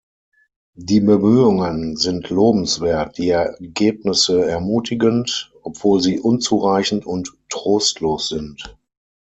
Die Bemühungen sind lobenswert, die Ergebnisse ermutigend, obwohl sie unzureichend und trostlos sind.